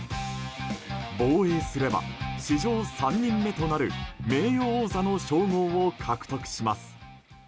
防衛すれば、史上３人目となる名誉王座の称号を獲得します。